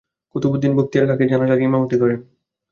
কুতুব উদ্দীন বখতিয়ার কাকীর জানাযার ইমামতি করেন।